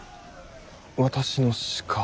私の鹿。